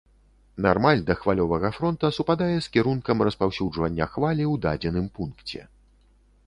Нармаль да хвалевага фронта супадае з кірункам распаўсюджвання хвалі ў дадзеным пункце.